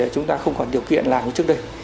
chúng ta không còn điều kiện làm trước đây